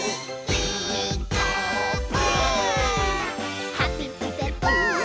「ピーカーブ！」